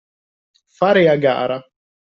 Fare a gara.